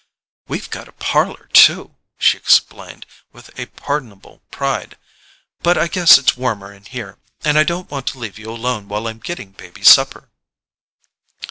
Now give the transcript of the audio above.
"We've got a parlour too," she explained with pardonable pride; "but I guess it's warmer in here, and I don't want to leave you alone while I'm getting baby's supper."